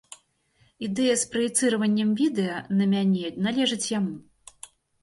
Ідэя з праецыраваннем відэа на мяне належыць яму.